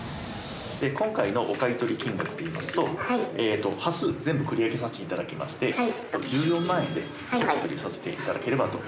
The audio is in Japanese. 今回のお買い取り金額で言いますと端数全部繰り上げさせていただきまして１４万円で買い取りさせていただければと思いますが。